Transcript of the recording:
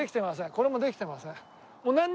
これもできてません。